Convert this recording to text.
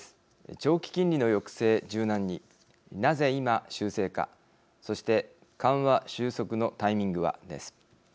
長期金利の抑制、柔軟になぜ今修正かそして緩和収束のタイミングは、です。